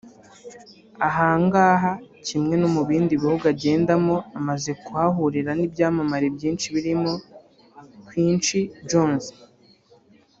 Ahangaha kimwe no mu bindi bihugu agendamo amaze kuhahurira n’ibyamamare byinshi birimo Quincy Jones